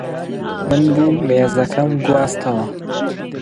من بووم مێزەکەم گواستەوە.